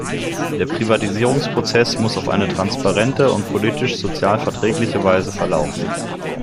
Der Privatisierungsprozess muss auf eine transparente und politisch sozial verträgliche Weise verlaufen.